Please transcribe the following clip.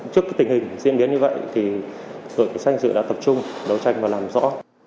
trước tình hình diễn biến như vậy thì đội cảnh sát hình sự đã tập trung đấu tranh và làm rõ